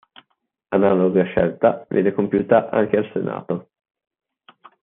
Analoga scelta viene compiuta anche al Senato.